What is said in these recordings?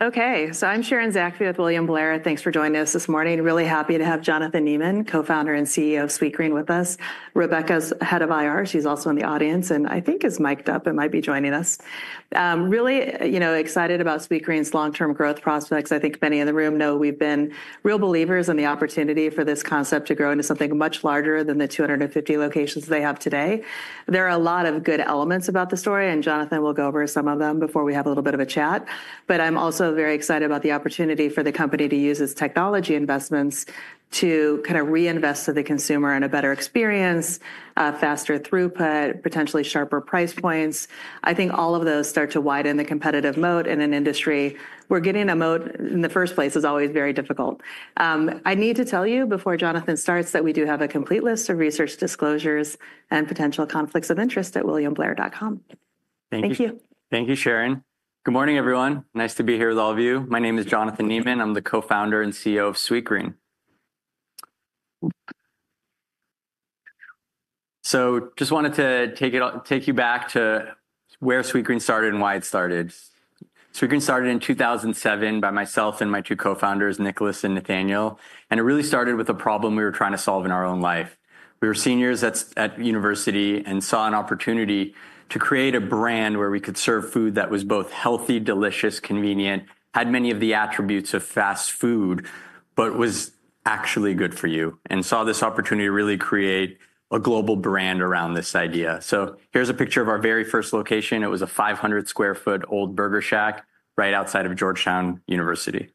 Okay, so I'm Sharon Zachary with William Blair. Thanks for joining us this morning. Really happy to have Jonathan Neman, Co-founder and CEO of Sweetgreen, with us. Rebecca's head of IR. She's also in the audience and I think is mic'd up and might be joining us. Really, you know, excited about Sweetgreen's long-term growth prospects. I think many in the room know we've been real believers in the opportunity for this concept to grow into something much larger than the 250 locations they have today. There are a lot of good elements about the story, and Jonathan will go over some of them before we have a little bit of a chat. I'm also very excited about the opportunity for the company to use its technology investments to kind of reinvest to the consumer in a better experience, faster throughput, potentially sharper price points. I think all of those start to widen the competitive moat in an industry where getting a moat in the first place is always very difficult. I need to tell you before Jonathan starts that we do have a complete list of research disclosures and potential conflicts of interest at williamblair.com. Thank you. Thank you. Thank you, Sharon. Good morning, everyone. Nice to be here with all of you. My name is Jonathan Neman. I'm the Co-founder and CEO of Sweetgreen. Just wanted to take you back to where Sweetgreen started and why it started. Sweetgreen started in 2007 by myself and my two co-founders, Nicolas and Nathaniel. It really started with a problem we were trying to solve in our own life. We were seniors at university and saw an opportunity to create a brand where we could serve food that was both healthy, delicious, convenient, had many of the attributes of fast food, but was actually good for you, and saw this opportunity to really create a global brand around this idea. Here's a picture of our very first location. It was a 500 sq ft old burger shack right outside of Georgetown University.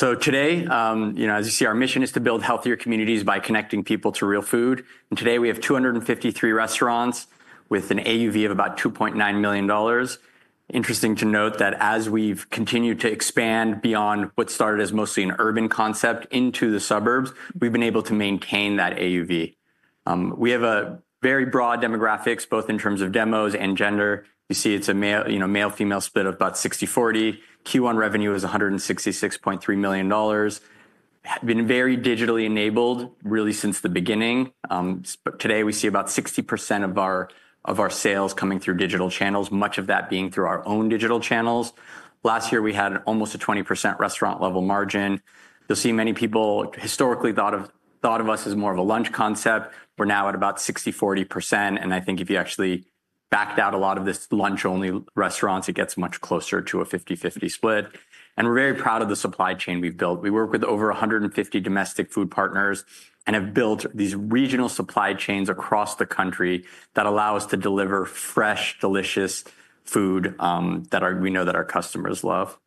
Today, you know, as you see, our mission is to build healthier communities by connecting people to real food. Today we have 253 restaurants with an AUV of about $2.9 million. Interesting to note that as we've continued to expand beyond what started as mostly an urban concept into the suburbs, we've been able to maintain that AUV. We have very broad demographics, both in terms of demos and gender. You see it's a male, you know, male-female split of about 60/40. Q1 revenue is $166.3 million. Been very digitally enabled, really, since the beginning. Today we see about 60% of our sales coming through digital channels, much of that being through our own digital channels. Last year we had almost a 20% restaurant-level margin. You'll see many people historically thought of us as more of a lunch concept. We're now at about 60/40%. I think if you actually backed out a lot of these lunch-only restaurants, it gets much closer to a 50/50 split. We are very proud of the supply chain we have built. We work with over 150 domestic food partners and have built these regional supply chains across the country that allow us to deliver fresh, delicious food that we know our customers love.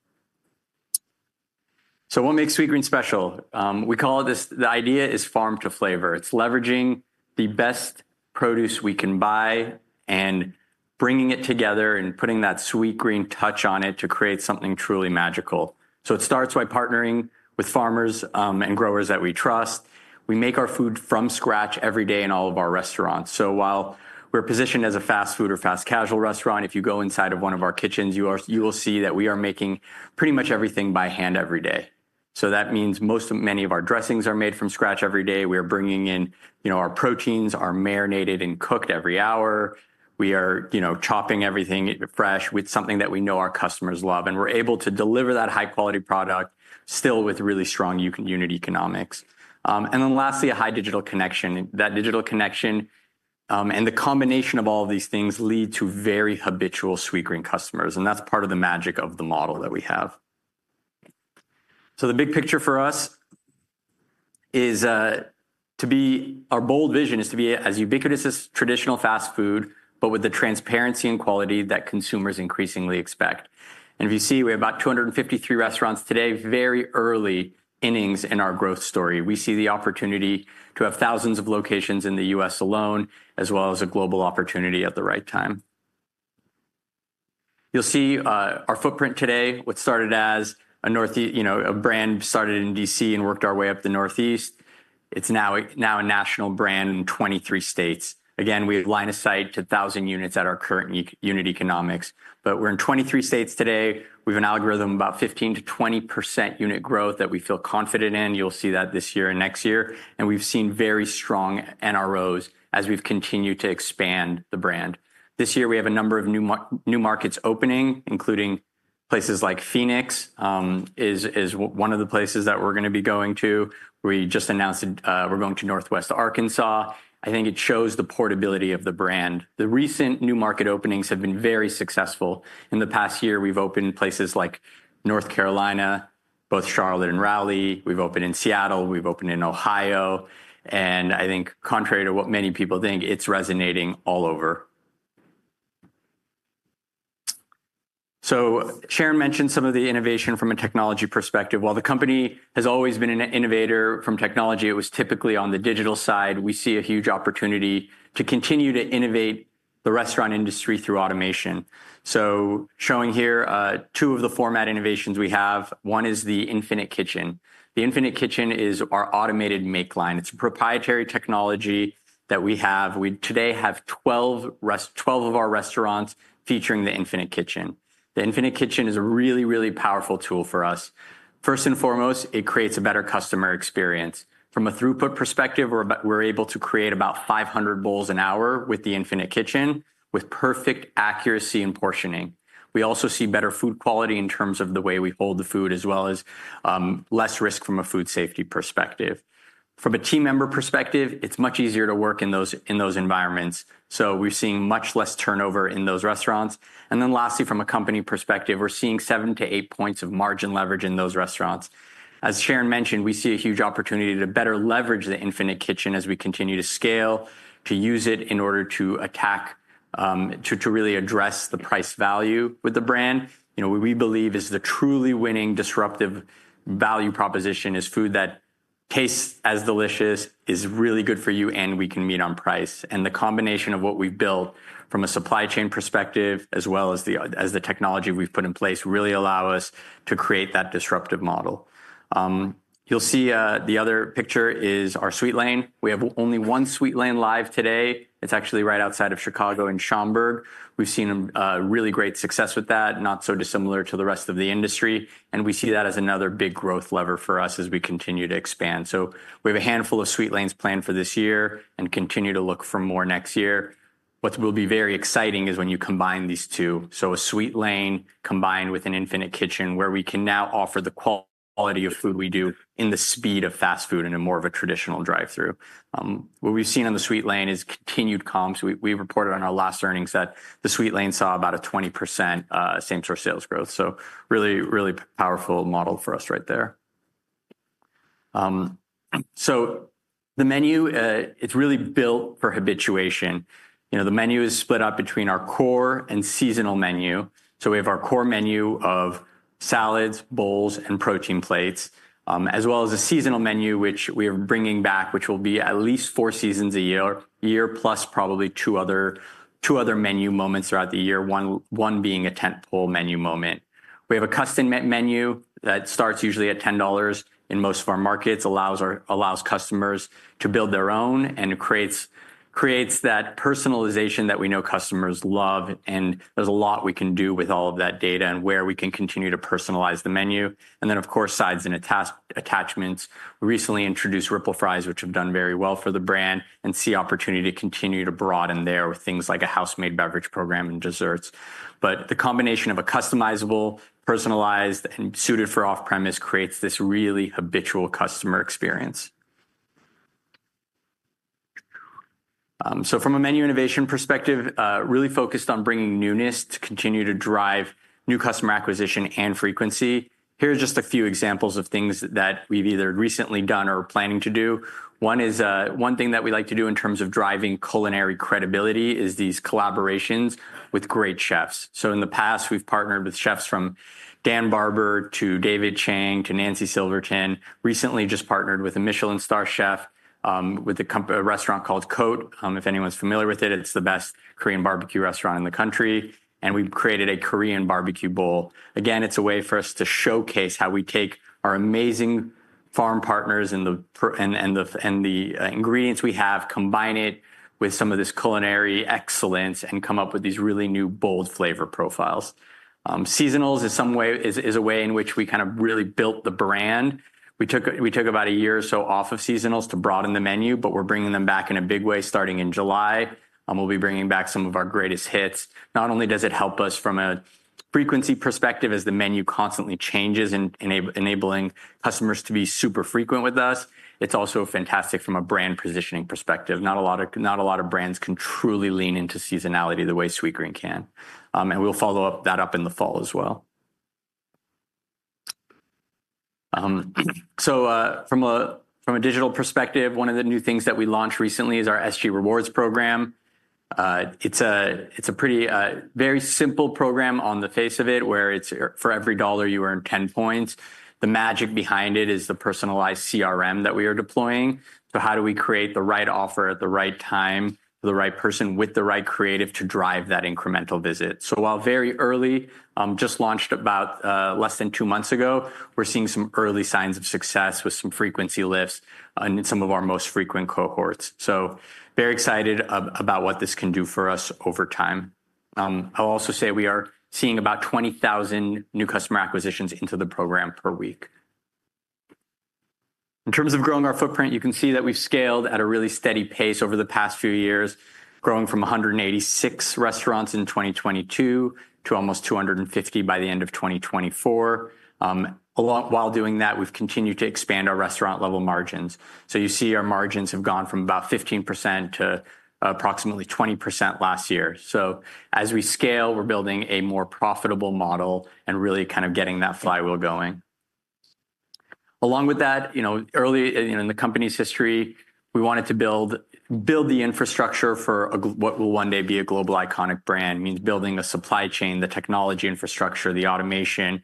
What makes Sweetgreen special? We call it this: the idea is farm to flavor. It is leveraging the best produce we can buy and bringing it together and putting that Sweetgreen touch on it to create something truly magical. It starts by partnering with farmers and growers that we trust. We make our food from scratch every day in all of our restaurants. While we're positioned as a fast food or fast casual restaurant, if you go inside of one of our kitchens, you will see that we are making pretty much everything by hand every day. That means many of our dressings are made from scratch every day. We are bringing in, you know, our proteins, are marinated and cooked every hour. We are, you know, chopping everything fresh with something that we know our customers love. We're able to deliver that high-quality product still with really strong unit economics. Lastly, a high digital connection. That digital connection and the combination of all of these things lead to very habitual Sweetgreen customers. That's part of the magic of the model that we have. The big picture for us is to be, our bold vision is to be as ubiquitous as traditional fast food, but with the transparency and quality that consumers increasingly expect. If you see, we have about 253 restaurants today, very early innings in our growth story. We see the opportunity to have thousands of locations in the U.S. alone, as well as a global opportunity at the right time. You'll see our footprint today. What started as a, you know, a brand started in DC and worked our way up the Northeast. It's now a national brand in 23 states. Again, we have line of sight to 1,000 units at our current unit economics. We're in 23 states today. We have an algorithm, about 15%-20% unit growth that we feel confident in. You'll see that this year and next year. We've seen very strong NROs as we've continued to expand the brand. This year we have a number of new markets opening, including places like Phoenix is one of the places that we're going to be going to. We just announced we're going to Northwest Arkansas. I think it shows the portability of the brand. The recent new market openings have been very successful. In the past year, we've opened places like North Carolina, both Charlotte and Raleigh. We've opened in Seattle. We've opened in Ohio. I think contrary to what many people think, it's resonating all over. Sharon mentioned some of the innovation from a technology perspective. While the company has always been an innovator from technology, it was typically on the digital side. We see a huge opportunity to continue to innovate the restaurant industry through automation. Showing here two of the format innovations we have. One is the Infinite Kitchen. The Infinite Kitchen is our automated make line. It's a proprietary technology that we have. We today have 12 of our restaurants featuring the Infinite Kitchen. The Infinite Kitchen is a really, really powerful tool for us. First and foremost, it creates a better customer experience. From a throughput perspective, we're able to create about 500 bowls an hour with the Infinite Kitchen, with perfect accuracy in portioning. We also see better food quality in terms of the way we hold the food, as well as less risk from a food safety perspective. From a team member perspective, it's much easier to work in those environments. We're seeing much less turnover in those restaurants. Lastly, from a company perspective, we're seeing seven to eight points of margin leverage in those restaurants. As Sharon mentioned, we see a huge opportunity to better leverage the Infinite Kitchen as we continue to scale, to use it in order to attack, to really address the price value with the brand. You know, what we believe is the truly winning disruptive value proposition is food that tastes as delicious, is really good for you, and we can meet on price. The combination of what we've built from a supply chain perspective, as well as the technology we've put in place, really allow us to create that disruptive model. You'll see the other picture is our Sweet Lane. We have only one Sweet Lane live today. It's actually right outside of Chicago in Schaumburg. We've seen really great success with that, not so dissimilar to the rest of the industry. We see that as another big growth lever for us as we continue to expand. We have a handful of Sweet Lanes planned for this year and continue to look for more next year. What will be very exciting is when you combine these two. A Sweet Lane combined with an Infinite Kitchen, where we can now offer the quality of food we do in the speed of fast food in more of a traditional drive-through. What we've seen on the Sweet Lane is continued comps. We reported on our last earnings that the Sweet Lane saw about a 20% same-store sales growth. Really, really powerful model for us right there. The menu, it's really built for habituation. You know, the menu is split up between our core and seasonal menu. We have our core menu of salads, bowls, and protein plates, as well as a seasonal menu, which we are bringing back, which will be at least four seasons a year, plus probably two other menu moments throughout the year, one being a tentpole menu moment. We have a custom menu that starts usually at $10 in most of our markets, allows customers to build their own and creates that personalization that we know customers love. There is a lot we can do with all of that data and where we can continue to personalize the menu. Then, of course, sides and attachments. We recently introduced Ripple Fries, which have done very well for the brand and see opportunity to continue to broaden there with things like a house-made beverage program and desserts. The combination of a customizable, personalized, and suited for off-premise creates this really habitual customer experience. From a menu innovation perspective, really focused on bringing newness to continue to drive new customer acquisition and frequency. Here are just a few examples of things that we've either recently done or are planning to do. One thing that we like to do in terms of driving culinary credibility is these collaborations with great chefs. In the past, we've partnered with chefs from Dan Barber to David Chang to Nancy Silverton. Recently just partnered with a Michelin star chef with a restaurant called COTE. If anyone's familiar with it, it's the best Korean barbecue restaurant in the country. We've created a Korean barbecue bowl. Again, it's a way for us to showcase how we take our amazing farm partners and the ingredients we have, combine it with some of this culinary excellence, and come up with these really new bold flavor profiles. Seasonals is a way in which we kind of really built the brand. We took about a year or so off of seasonals to broaden the menu, but we're bringing them back in a big way starting in July. We'll be bringing back some of our greatest hits. Not only does it help us from a frequency perspective as the menu constantly changes and enabling customers to be super frequent with us, it's also fantastic from a brand positioning perspective. Not a lot of brands can truly lean into seasonality the way Sweetgreen can. We'll follow that up in the fall as well. From a digital perspective, one of the new things that we launched recently is our SG Rewards program. It's a pretty very simple program on the face of it, where it's for every dollar you earn 10 points. The magic behind it is the personalized CRM that we are deploying. How do we create the right offer at the right time for the right person with the right creative to drive that incremental visit? While very early, just launched about less than two months ago, we're seeing some early signs of success with some frequency lifts in some of our most frequent cohorts. Very excited about what this can do for us over time. I'll also say we are seeing about 20,000 new customer acquisitions into the program per week. In terms of growing our footprint, you can see that we've scaled at a really steady pace over the past few years, growing from 186 restaurants in 2022 to almost 250 by the end of 2024. While doing that, we've continued to expand our restaurant-level margins. So you see our margins have gone from about 15% to approximately 20% last year. As we scale, we're building a more profitable model and really kind of getting that flywheel going. Along with that, you know, early in the company's history, we wanted to build the infrastructure for what will one day be a global iconic brand. It means building a supply chain, the technology infrastructure, the automation.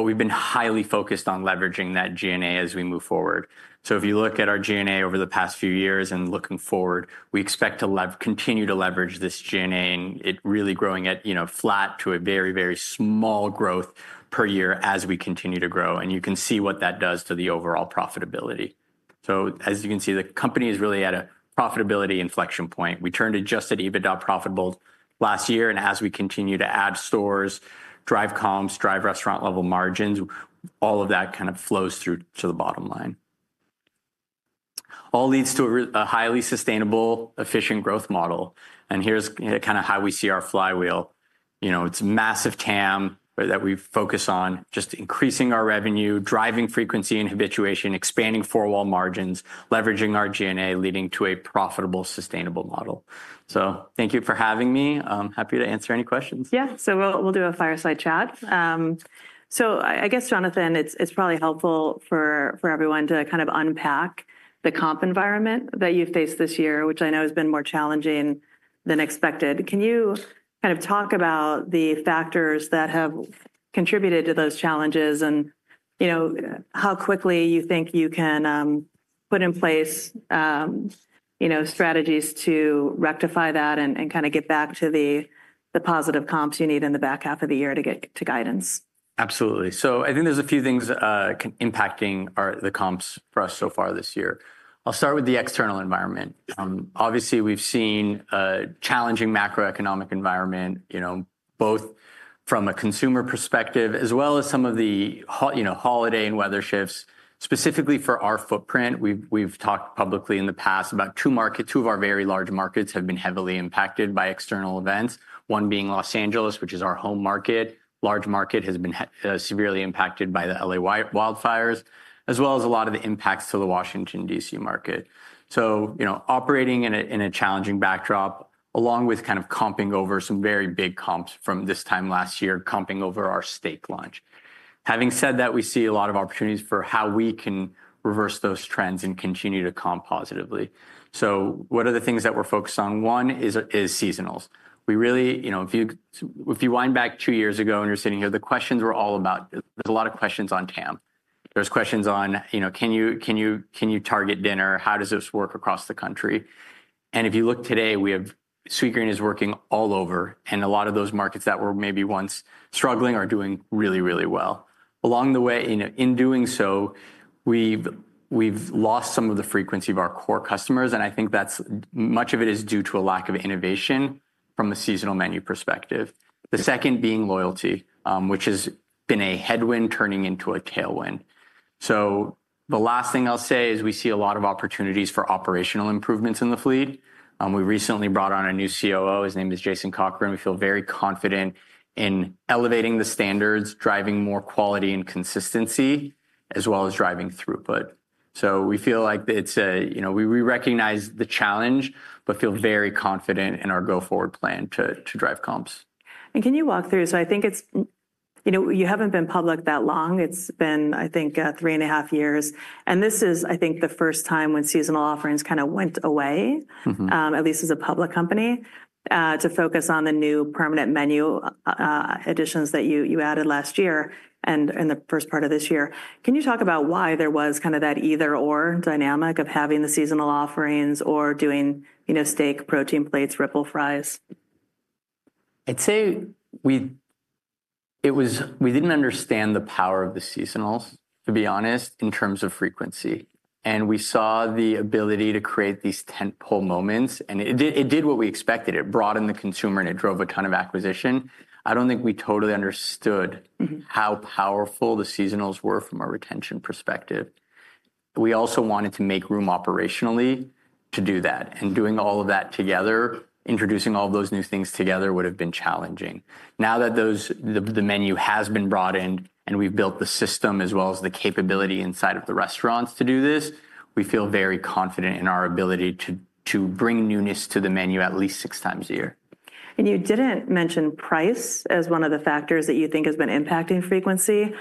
We've been highly focused on leveraging that G&A as we move forward. If you look at our G&A over the past few years and looking forward, we expect to continue to leverage this G&A and it really growing at, you know, flat to a very, very small growth per year as we continue to grow. You can see what that does to the overall profitability. As you can see, the company is really at a profitability inflection point. We turned it just at EBITDA profitable last year. As we continue to add stores, drive comps, drive restaurant-level margins, all of that kind of flows through to the bottom line. All leads to a highly sustainable, efficient growth model. Here is kind of how we see our flywheel. You know, it is massive TAM that we focus on, just increasing our revenue, driving frequency and habituation, expanding four-wall margins, leveraging our G&A, leading to a profitable, sustainable model. Thank you for having me. I'm happy to answer any questions. Yeah, we'll do a fireside chat. I guess, Jonathan, it's probably helpful for everyone to kind of unpack the comp environment that you faced this year, which I know has been more challenging than expected. Can you kind of talk about the factors that have contributed to those challenges and, you know, how quickly you think you can put in place, you know, strategies to rectify that and kind of get back to the positive comps you need in the back half of the year to get to guidance? Absolutely. I think there's a few things impacting the comps for us so far this year. I'll start with the external environment. Obviously, we've seen a challenging macroeconomic environment, you know, both from a consumer perspective as well as some of the, you know, holiday and weather shifts. Specifically for our footprint, we've talked publicly in the past about two markets, two of our very large markets have been heavily impacted by external events. One being Los Angeles, which is our home market. Large market has been severely impacted by the LA wildfires, as well as a lot of the impacts to the Washington, DC market. You know, operating in a challenging backdrop, along with kind of comping over some very big comps from this time last year, comping over our steak lunch. Having said that, we see a lot of opportunities for how we can reverse those trends and continue to comp positively. What are the things that we're focused on? One is seasonals. We really, you know, if you wind back two years ago and you're sitting here, the questions were all about, there's a lot of questions on TAM. There's questions on, you know, can you target dinner? How does this work across the country? If you look today, we have Sweetgreen is working all over and a lot of those markets that were maybe once struggling are doing really, really well. Along the way, in doing so, we've lost some of the frequency of our core customers. I think that much of it is due to a lack of innovation from a seasonal menu perspective. The second being loyalty, which has been a headwind turning into a tailwind. The last thing I'll say is we see a lot of opportunities for operational improvements in the fleet. We recently brought on a new COO. His name is Jason Cochran. We feel very confident in elevating the standards, driving more quality and consistency, as well as driving throughput. We feel like it's, you know, we recognize the challenge, but feel very confident in our go-forward plan to drive comps. Can you walk through? I think it's, you know, you haven't been public that long. It's been, I think, three and a half years. This is, I think, the first time when seasonal offerings kind of went away, at least as a public company, to focus on the new permanent menu additions that you added last year and in the first part of this year. Can you talk about why there was kind of that either-or dynamic of having the seasonal offerings or doing, you know, steak, protein plates, Ripple Fries? I'd say we didn't understand the power of the seasonals, to be honest, in terms of frequency. We saw the ability to create these tentpole moments. It did what we expected. It broadened the consumer and it drove a ton of acquisition. I don't think we totally understood how powerful the seasonals were from a retention perspective. We also wanted to make room operationally to do that. Doing all of that together, introducing all of those new things together would have been challenging. Now that the menu has been broadened and we've built the system as well as the capability inside of the restaurants to do this, we feel very confident in our ability to bring newness to the menu at least six times a year. You didn't mention price as one of the factors that you think has been impacting frequency.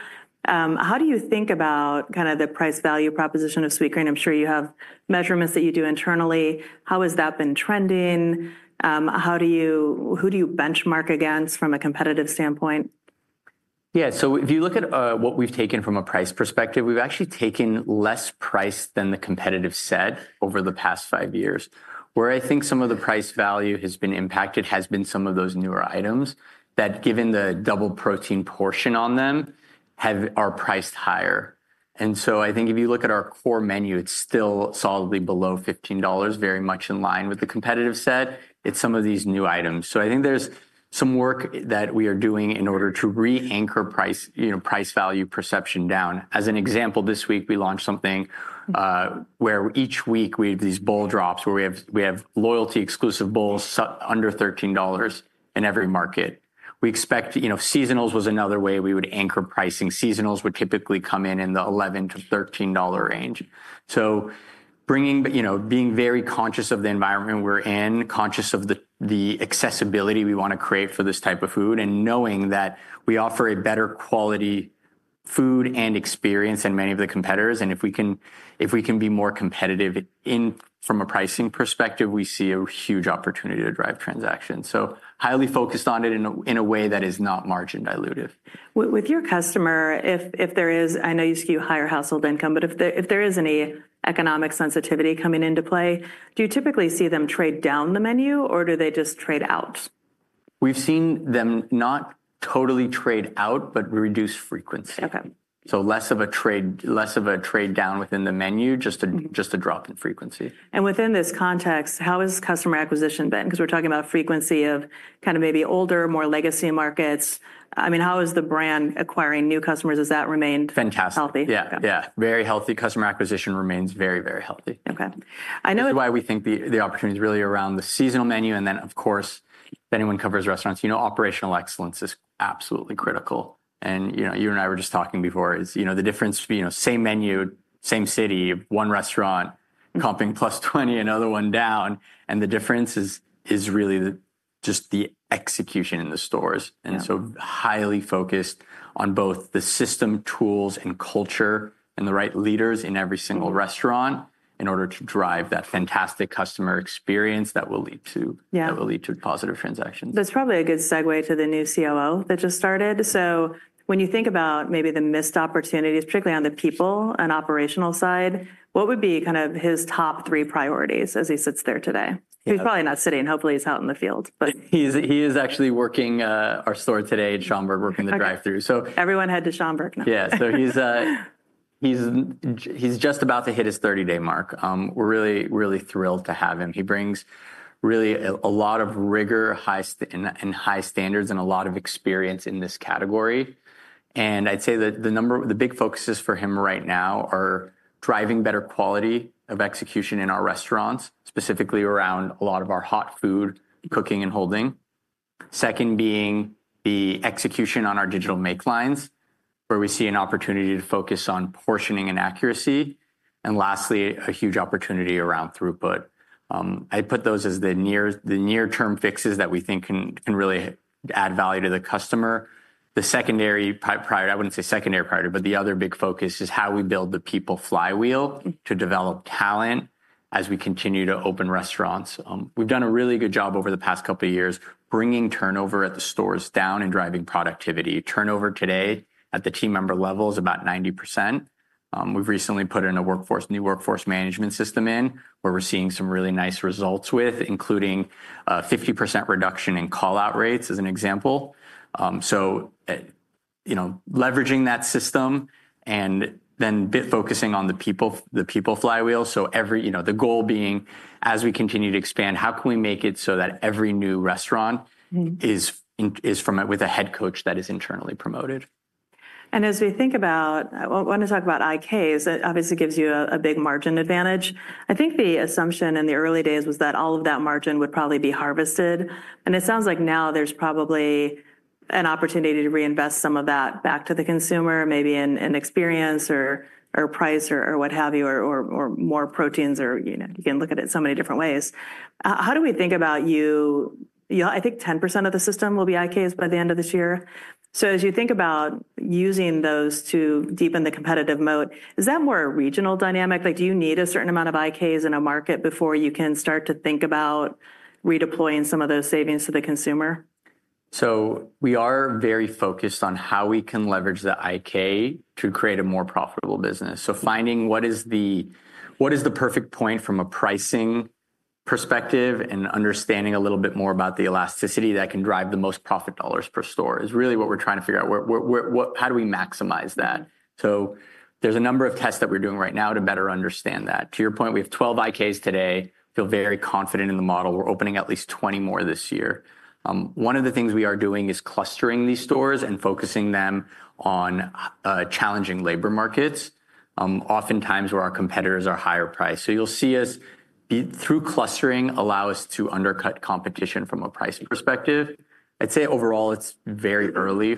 How do you think about kind of the price value proposition of Sweetgreen? I'm sure you have measurements that you do internally. How has that been trending? How do you, who do you benchmark against from a competitive standpoint? Yeah, so if you look at what we've taken from a price perspective, we've actually taken less price than the competitive set over the past five years. Where I think some of the price value has been impacted has been some of those newer items that, given the double protein portion on them, are priced higher. I think if you look at our core menu, it's still solidly below $15, very much in line with the competitive set. It's some of these new items. I think there's some work that we are doing in order to re-anchor price value perception down. As an example, this week we launched something where each week we have these bowl drops where we have loyalty exclusive bowls under $13 in every market. We expect, you know, seasonals was another way we would anchor pricing. Seasonals would typically come in in the $11-$13 range. Bringing, you know, being very conscious of the environment we're in, conscious of the accessibility we want to create for this type of food, and knowing that we offer a better quality food and experience than many of the competitors. If we can be more competitive from a pricing perspective, we see a huge opportunity to drive transactions. Highly focused on it in a way that is not margin dilutive. With your customer, if there is, I know you skew higher household income, but if there is any economic sensitivity coming into play, do you typically see them trade down the menu or do they just trade out? We've seen them not totally trade out, but reduce frequency. Okay. So less of a trade down within the menu, just a drop in frequency. And within this context, how has customer acquisition been? Because we're talking about frequency of kind of maybe older, more legacy markets. I mean, how is the brand acquiring new customers? Has that remained healthy? Fantastic. Yeah, yeah. Very healthy. Customer acquisition remains very, very healthy. Okay. I know. That's why we think the opportunity is really around the seasonal menu. And then, of course, if anyone covers restaurants, you know, operational excellence is absolutely critical. You and I were just talking before, you know, the difference, you know, same menu, same city, one restaurant comping +20%, another one down. The difference is really just the execution in the stores. Highly focused on both the system tools and culture and the right leaders in every single restaurant in order to drive that fantastic customer experience that will lead to positive transactions. That is probably a good segue to the new COO that just started. When you think about maybe the missed opportunities, particularly on the people and operational side, what would be kind of his top three priorities as he sits there today? He's probably not sitting. Hopefully, he's out in the field. He is actually working our store today at Schaumburg, working the drive-through. Everyone head to Schaumburg now. Yeah. He is just about to hit his 30-day mark. We're really, really thrilled to have him. He brings really a lot of rigor, high standards, and a lot of experience in this category. I'd say that the big focuses for him right now are driving better quality of execution in our restaurants, specifically around a lot of our hot food cooking and holding. Second, being the execution on our digital make lines, where we see an opportunity to focus on portioning and accuracy. Lastly, a huge opportunity around throughput. I'd put those as the near-term fixes that we think can really add value to the customer. The secondary priority, I wouldn't say secondary priority, but the other big focus is how we build the people flywheel to develop talent as we continue to open restaurants. We've done a really good job over the past couple of years bringing turnover at the stores down and driving productivity. Turnover today at the team member level is about 90%. We've recently put in a new workforce management system in where we're seeing some really nice results with, including a 50% reduction in callout rates as an example. You know, leveraging that system and then focusing on the people flywheel. Every, you know, the goal being as we continue to expand, how can we make it so that every new restaurant is from it with a head coach that is internally promoted? As we think about, I want to talk about IKs. It obviously gives you a big margin advantage. I think the assumption in the early days was that all of that margin would probably be harvested. It sounds like now there's probably an opportunity to reinvest some of that back to the consumer, maybe in experience or price or what have you, or more proteins or, you know, you can look at it so many different ways. How do we think about you? I think 10% of the system will be IKs by the end of this year. As you think about using those to deepen the competitive moat, is that more a regional dynamic? Like, do you need a certain amount of IKs in a market before you can start to think about redeploying some of those savings to the consumer? We are very focused on how we can leverage the IK to create a more profitable business. Finding what is the perfect point from a pricing perspective and understanding a little bit more about the elasticity that can drive the most profit dollars per store is really what we're trying to figure out. How do we maximize that? There are a number of tests that we're doing right now to better understand that. To your point, we have 12 Infinite Kitchens today. We feel very confident in the model. We're opening at least 20 more this year. One of the things we are doing is clustering these stores and focusing them on challenging labor markets, oftentimes where our competitors are higher priced. You'll see us, through clustering, allow us to undercut competition from a pricing perspective. I'd say overall, it's very early.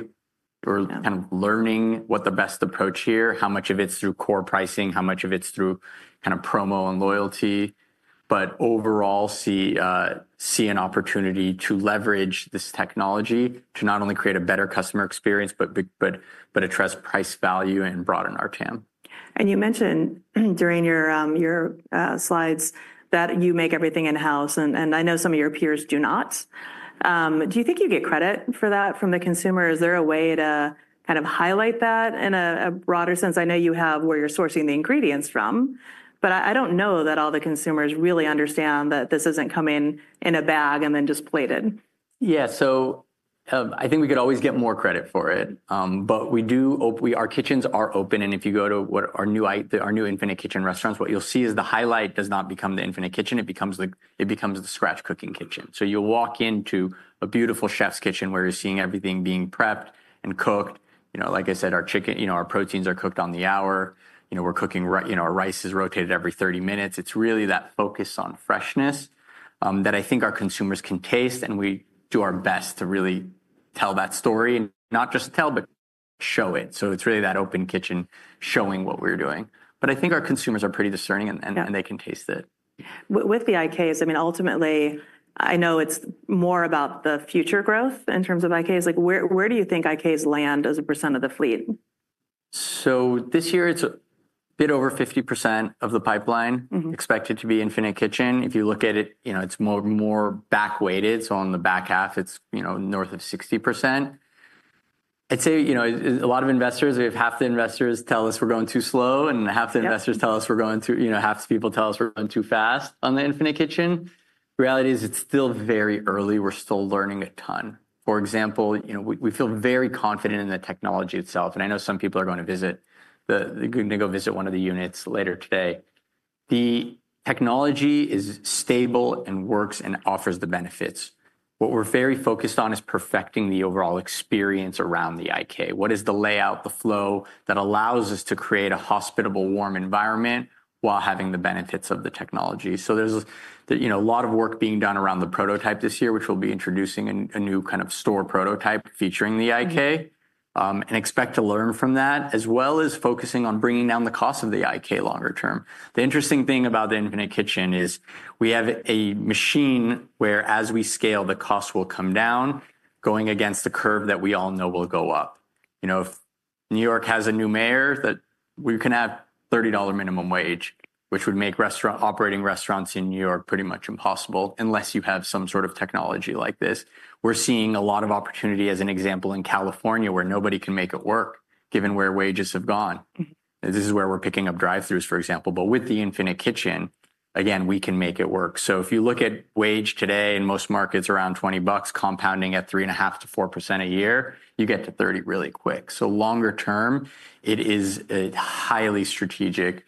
We're kind of learning what the best approach here, how much of it's through core pricing, how much of it's through kind of promo and loyalty. Overall, see an opportunity to leverage this technology to not only create a better customer experience, but address price value and broaden our TAM. You mentioned during your slides that you make everything in-house, and I know some of your peers do not. Do you think you get credit for that from the consumer? Is there a way to kind of highlight that in a broader sense? I know you have where you're sourcing the ingredients from, but I don't know that all the consumers really understand that this isn't coming in a bag and then just plated. Yeah, I think we could always get more credit for it. We do, our kitchens are open. If you go to our new Infinite Kitchen restaurants, what you'll see is the highlight does not become the Infinite Kitchen. It becomes the scratch cooking kitchen. You'll walk into a beautiful chef's kitchen where you're seeing everything being prepped and cooked. You know, like I said, our chicken, you know, our proteins are cooked on the hour. You know, we're cooking, you know, our rice is rotated every 30 minutes. It's really that focus on freshness that I think our consumers can taste. We do our best to really tell that story, not just tell, but show it. It's really that open kitchen showing what we're doing. I think our consumers are pretty discerning and they can taste it. With the IKs, I mean, ultimately, I know it's more about the future growth in terms of IKs. Like, where do you think IKs land as a percent of the fleet? This year, it's a bit over 50% of the pipeline expected to be Infinite Kitchen. If you look at it, you know, it's more back-weighted. On the back half, it's, you know, north of 60%. I'd say, you know, a lot of investors, we have half the investors tell us we're going too slow and half the investors tell us we're going to, you know, half the people tell us we're going too fast on the Infinite Kitchen. Reality is it's still very early. We're still learning a ton. For example, you know, we feel very confident in the technology itself. I know some people are going to visit, they're going to go visit one of the units later today. The technology is stable and works and offers the benefits. What we're very focused on is perfecting the overall experience around the IK. What is the layout, the flow that allows us to create a hospitable, warm environment while having the benefits of the technology? There is, you know, a lot of work being done around the prototype this year, which we'll be introducing a new kind of store prototype featuring the IK and expect to learn from that, as well as focusing on bringing down the cost of the IK longer term. The interesting thing about the Infinite Kitchen is we have a machine where, as we scale, the cost will come down going against the curve that we all know will go up. You know, if New York has a new mayor, that we can have $30 minimum wage, which would make operating restaurants in New York pretty much impossible unless you have some sort of technology like this. We're seeing a lot of opportunity, as an example, in California where nobody can make it work, given where wages have gone. This is where we're picking up drive-throughs, for example. With the Infinite Kitchen, again, we can make it work. If you look at wage today in most markets, around $20, compounding at 3.5%-4% a year, you get to $30 really quick. Longer term, it is a highly strategic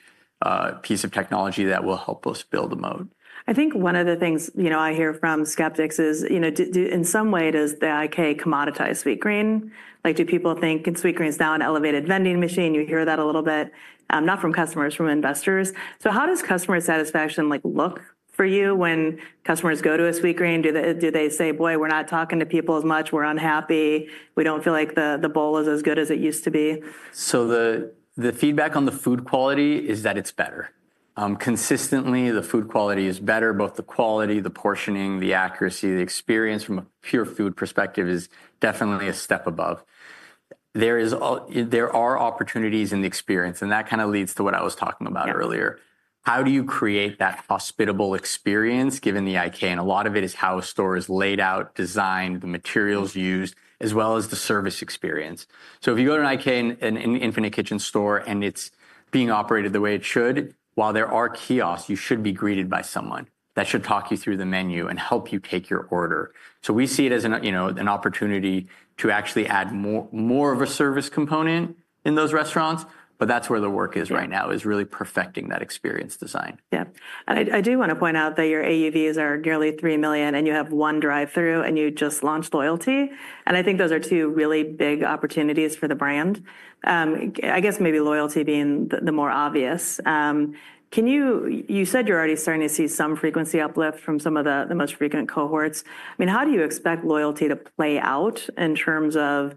piece of technology that will help us build a moat. I think one of the things, you know, I hear from skeptics is, you know, in some way, does the IK commoditize Sweetgreen? Like, do people think Sweetgreen is now an elevated vending machine? You hear that a little bit, not from customers, from investors. How does customer satisfaction look for you when customers go to a Sweetgreen? Do they say, boy, we're not talking to people as much, we're unhappy, we don't feel like the bowl is as good as it used to be? The feedback on the food quality is that it's better. Consistently, the food quality is better. Both the quality, the portioning, the accuracy, the experience from a pure food perspective is definitely a step above. There are opportunities in the experience, and that kind of leads to what I was talking about earlier. How do you create that hospitable experience given the Infinite Kitchen? A lot of it is how a store is laid out, designed, the materials used, as well as the service experience. If you go to an IK, an Infinite Kitchen store, and it's being operated the way it should, while there are kiosks, you should be greeted by someone that should talk you through the menu and help you take your order. We see it as an opportunity to actually add more of a service component in those restaurants. That's where the work is right now, is really perfecting that experience design. Yeah. I do want to point out that your AUVs are nearly $3 million and you have one drive-through and you just launched loyalty. I think those are two really big opportunities for the brand. I guess maybe loyalty being the more obvious. Can you, you said you're already starting to see some frequency uplift from some of the most frequent cohorts. I mean, how do you expect loyalty to play out in terms of,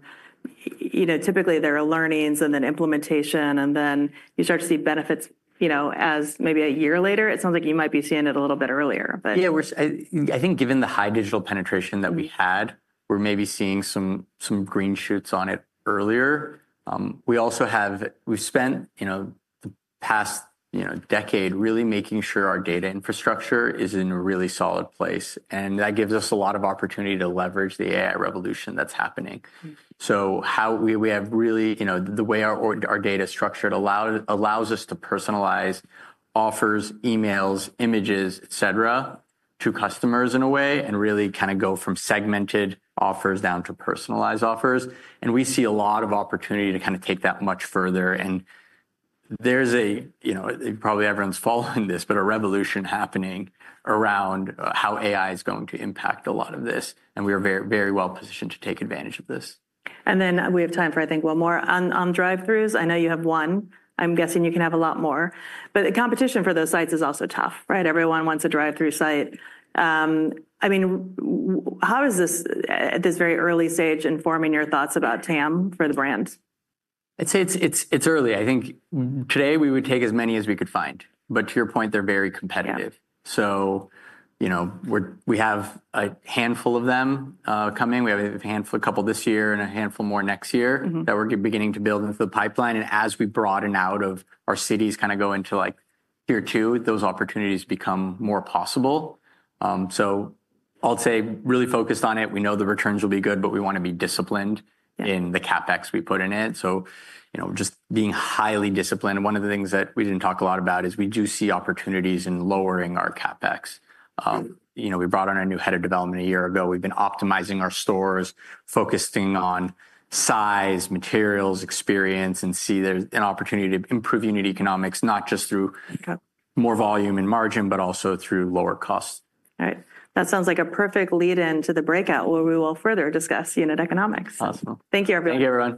you know, typically there are learnings and then implementation and then you start to see benefits, you know, as maybe a year later, it sounds like you might be seeing it a little bit earlier. Yeah, I think given the high digital penetration that we had, we're maybe seeing some green shoots on it earlier. We also have, we've spent, you know, the past, you know, decade really making sure our data infrastructure is in a really solid place. That gives us a lot of opportunity to leverage the AI revolution that's happening. How we have really, you know, the way our data is structured allows us to personalize offers, emails, images, et cetera, to customers in a way and really kind of go from segmented offers down to personalized offers. We see a lot of opportunity to kind of take that much further. There's a, you know, probably everyone's following this, but a revolution happening around how AI is going to impact a lot of this. We are very, very well positioned to take advantage of this. We have time for, I think, one more on drive-throughs. I know you have one. I'm guessing you can have a lot more. The competition for those sites is also tough, right? Everyone wants a drive-through site. I mean, how is this at this very early stage informing your thoughts about TAM for the brand? I'd say it's early. I think today we would take as many as we could find. To your point, they're very competitive. We have a handful of them coming. We have a handful, a couple this year and a handful more next year that we're beginning to build into the pipeline. As we broaden out of our cities, kind of go into like tier two, those opportunities become more possible. I'll say really focused on it. We know the returns will be good, but we want to be disciplined in the CapEx we put in it. You know, just being highly disciplined. One of the things that we didn't talk a lot about is we do see opportunities in lowering our CapEx. You know, we brought on a new head of development a year ago. We've been optimizing our stores, focusing on size, materials, experience, and see there's an opportunity to improve unit economics, not just through more volume and margin, but also through lower costs. All right. That sounds like a perfect lead-in to the breakout where we will further discuss unit economics. Awesome. Thank you, everyone. Thank you everyone.